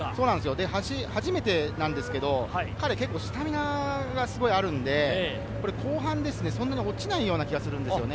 初めてなんですけれど、彼は結構スタミナがあるので、後半、そんなに落ちないような気がするんですよね。